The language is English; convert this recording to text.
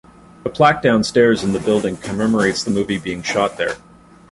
A plaque downstairs in the building commemorates the movie being shot there.